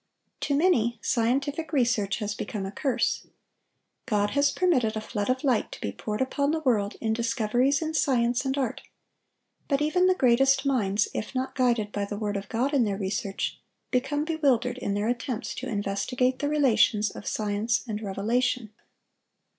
To many, scientific research has become a curse. God has permitted a flood of light to be poured upon the world in discoveries in science and art; but even the greatest minds, if not guided by the word of God in their research, become bewildered in their attempts to investigate the relations of science and revelation.